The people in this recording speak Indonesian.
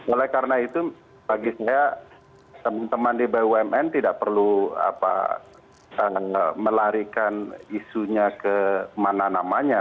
oleh karena itu bagi saya teman teman di bumn tidak perlu melarikan isunya ke mana namanya